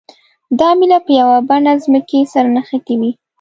دا میله په یوه بڼه ځمکې سره نښتې وي.